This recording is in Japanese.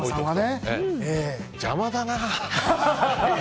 邪魔だな。